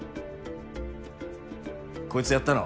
こいつやったの？